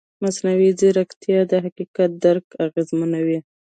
مصنوعي ځیرکتیا د حقیقت درک اغېزمنوي.